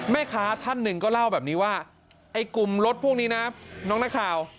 แม่ค้าท่านหนึ่งก็เล่าแบบนี้ว่าไอ้กลุ่มรถพวกนี้นะน้องนักข่าว